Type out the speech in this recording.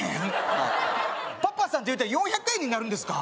はいパパさんって言うたら４００円になるんですか？